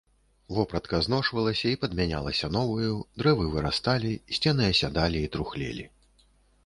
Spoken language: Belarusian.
Вопратка зношвалася і падмянялася новаю, дрэвы вырасталі, сцены асядалі і трухлелі.